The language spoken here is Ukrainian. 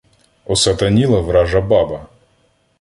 Осатаніла вража баба